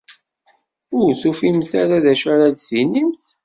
Ur tufimt ara d acu ara d-tinimt?